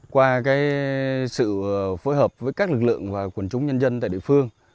qua sự phối hợp với các lực lượng và quần chúng nhân dân tại địa phương